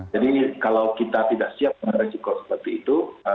jadi kalau kita tidak siap dengan risiko seperti itu